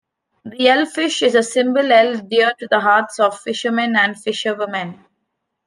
The 'hellfish' is a symbol held dear to the hearts of Fishermen and Fisherwomen.